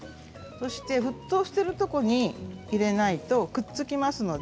沸騰しているところに入れないと、くっつきますので。